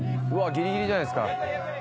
ギリギリじゃないですか。